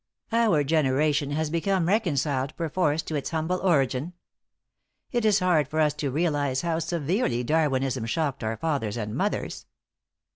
"Our generation has become reconciled, perforce, to its humble origin. It is hard for us to realize how severely Darwinism shocked our fathers and mothers."